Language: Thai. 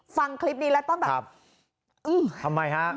ฟังคลิปนี้แล้วต้องแบบอื้อทำไมฮะ